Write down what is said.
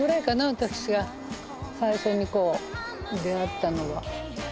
私が最初にこう出会ったのは。